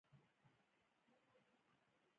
بیا د جميله په لور روان شوم، هوا سړه او یخه وه.